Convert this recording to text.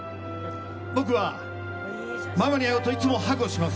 僕は、ママに会うといつもハグをします。